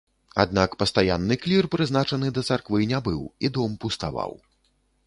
Аднак пастаянны клір прызначаны да царквы не быў, і дом пуставаў.